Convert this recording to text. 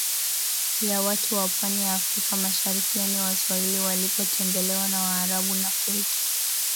ya watu wa pwani ya Afrika mashariki yaani Waswahili walipotembelewa na Waarabu na kuitwa